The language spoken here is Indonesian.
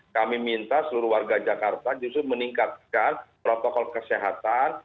kami minta seluruh warga jakarta justru meningkatkan protokol kesehatan